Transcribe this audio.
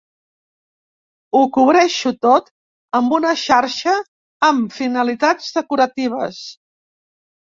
Ho cobreixo tot amb una xarxa amb finalitats decoratives.